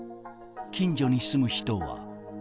近所に住む人は。